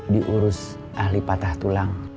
diurus ahli patah tulang